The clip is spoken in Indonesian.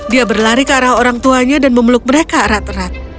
dia berlari ke arah orang tuanya dan memeluk mereka erat erat